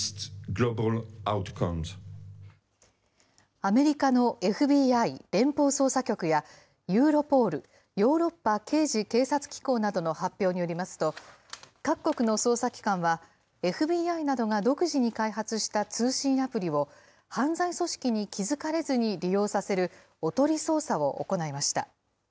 アメリカのＦＢＩ・連邦捜査局やユーロポール・ヨーロッパ刑事警察機構などの発表によりますと、各国の捜査機関はＦＢＩなどが独自に開発した通信アプリを、犯罪組織に気付かれずに利用させる、おとり捜査を行いました。